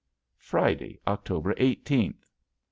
Friday, October eighteenth.